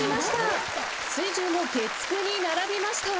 水１０も月９に並びました。